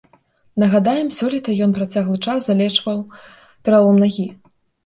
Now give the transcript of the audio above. Нагадаем, сёлета ён працяглы час залечваў пералом нагі.